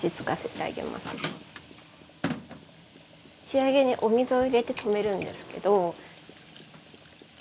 仕上げにお水を入れて止めるんですけど。